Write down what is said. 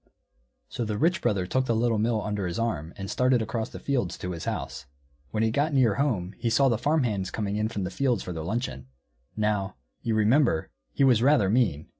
So the Rich Brother took the Little Mill under his arm and started across the fields to his house. When he got near home he saw the farm hands coming in from the fields for their luncheon. Now, you remember, he was rather mean.